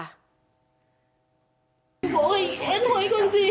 เฮ่ย